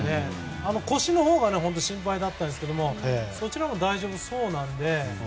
腰のほうが心配だったんですがそちらは大丈夫そうなので。